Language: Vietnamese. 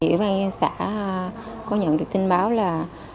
ủy ban xã có nhận được tin báo là